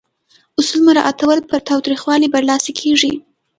اصول مراعاتول پر تاوتریخوالي برلاسي کیږي.